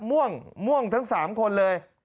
ม่วงม่วงทั้ง๓คนเลย